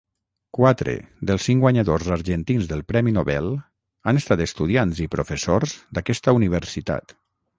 Quatre dels cinc guanyadors argentins del Premi Nobel han estat estudiants i professors d'aquesta universitat.